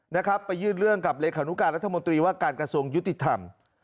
นะครับไปยื่นเรื่องกับเลขานุการรัฐมนตรีว่าการกระทรวงยุติธรรม